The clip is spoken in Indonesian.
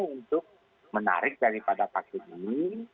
untuk menarik daripada vaksin ini